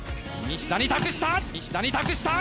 西田に託した！